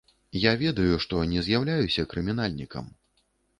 Я ведаю, што не з'яўляюся крымінальнікам.